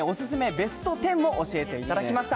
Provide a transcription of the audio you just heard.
ベスト１０も教えていただきました。